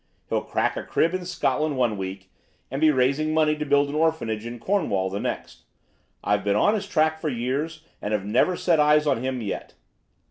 He'll crack a crib in Scotland one week, and be raising money to build an orphanage in Cornwall the next. I've been on his track for years and have never set eyes on him yet."